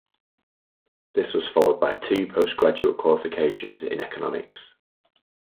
This was followed by two postgraduate qualifications in economics.